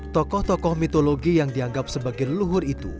tokoh tokoh mitologi yang dianggap sebagai leluhur itu